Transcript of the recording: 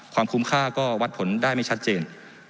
คุ้มค่าก็วัดผลได้ไม่ชัดเจน